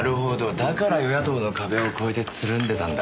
だから与野党の壁を越えてつるんでたんだ。